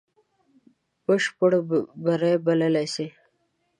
بشپړ بری بللای سي.